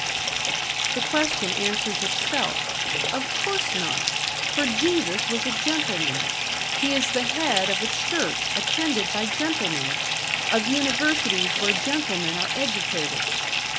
The question answers itself: Of course not! For Jesus was a gentleman; he is the head of a church attended by gentlemen, of universities where gentlemen are educated.